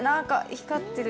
光ってる。